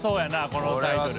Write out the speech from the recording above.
このタイトル。